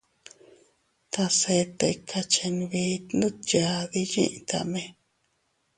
Tase tika chenbit ndutyadi yitame.